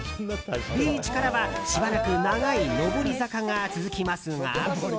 ビーチからは、しばらく長い上り坂が続きますが。